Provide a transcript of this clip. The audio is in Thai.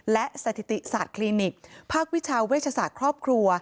และสถิติศาสตร์คลินิกภาควิชาเวชศาสตร์ครอบครัว